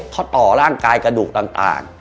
เขาต่อร่างกายกระดูกต่าง